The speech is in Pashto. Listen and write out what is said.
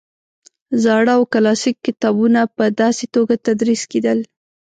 زاړه او کلاسیک کتابونه په داسې توګه تدریس کېدل.